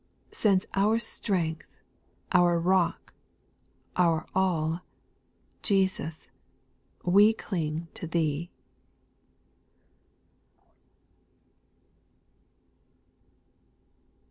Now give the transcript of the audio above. — Since as our strength, our Rock, our all, Jesus, we cling to Thee.